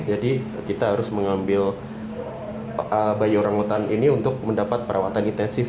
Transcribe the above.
jadi kita harus mengambil bayi orang utan ini untuk mendapat perawatan intensif